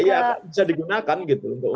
iya bisa digunakan gitu untuk hal itu